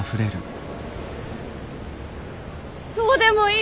どうでもいい！